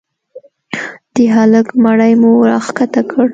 د هلك مړى مو راكښته كړ.